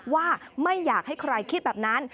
ว่าไม่อยากให้ใครคิดแบบนั้น